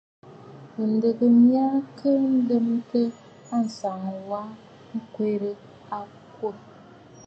Mɨ̀ndɨgə mya kɔʼɔ lɨmtə ànsaŋ wa ŋkwerə a kwô.